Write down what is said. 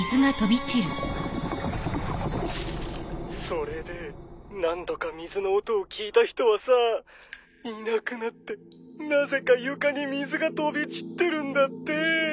それで何度か水の音を聞いた人はさいなくなってなぜか床に水が飛び散ってるんだって。